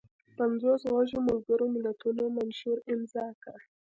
پنځوس غړو ملګرو ملتونو منشور امضا کړ.